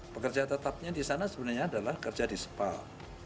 pekerja tetapnya di sana sebenarnya adalah kerja di sepak